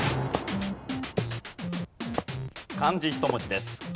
漢字１文字です。